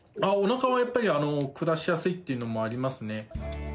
おなかはやっぱり、下しやすいっていうのもありますね。